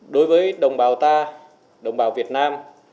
đối với đồng bào ta đồng bào việt nam